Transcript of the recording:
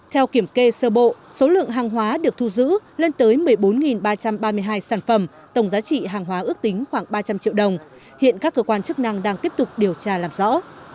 theo kiểm kê sơ bộ số lượng hàng hóa được thu giữ lên tới một mươi bốn ba trăm ba mươi hai sản phẩm tổng giá trị hàng hóa ước tính khoảng ba trăm linh triệu đồng hiện các cơ quan chức năng đang tiếp tục điều tra làm rõ